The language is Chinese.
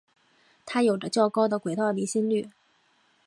它有着较高的轨道离心率。